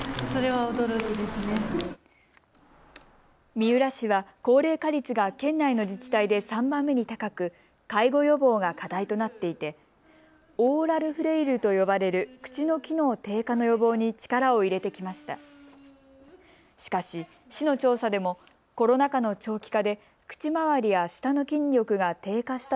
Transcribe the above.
三浦市は高齢化率が県内の自治体で３番目に高く介護予防が課題となっていてオーラルフレイルと呼ばれる口の機能低下の予防に力を入れてきました。